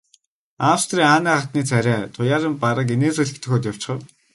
Австрийн Анна хатны царай туяаран бараг инээмсэглэх дөхөөд явчихав.